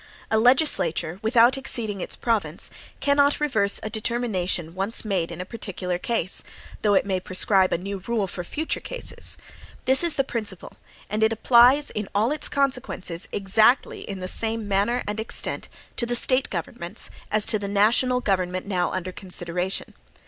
A legislature, without exceeding its province, cannot reverse a determination once made in a particular case; though it may prescribe a new rule for future cases. This is the principle, and it applies in all its consequences, exactly in the same manner and extent, to the State governments, as to the national government now under consideration.